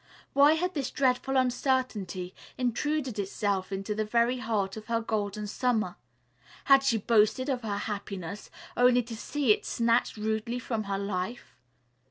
Why had this dreadful uncertainty intruded itself into the very heart of her Golden Summer? Had she boasted of her happiness only to see it snatched rudely from her life?